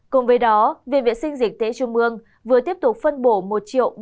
cùng với đó viện viện sinh dịch tế trung mương vừa tiếp tục phân bổ